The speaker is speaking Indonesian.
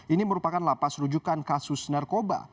ini merupakan lapas rujukan kasus narkoba